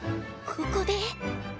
ここで？